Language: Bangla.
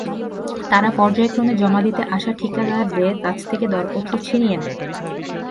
তারা পর্যায়ক্রমে জমা দিতে আসা ঠিকাদারদের কাছ থেকে দরপত্র ছিনিয়ে নেয়।